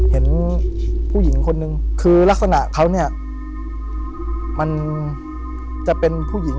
เห็นผู้หญิงคนนึงคือลักษณะเขาเนี่ยมันจะเป็นผู้หญิง